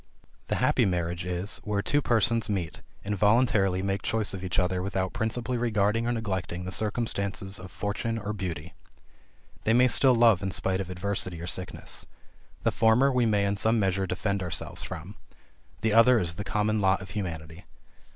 The happy marriage is, where two persons meet, and voluntarily make choice of each other without principally regarding or neglecting the circumstances of fortune or beauty. These may still love in spite of adversity or sickness. The former we may in some measure defend ourselves from; the other is the common lot of humanity.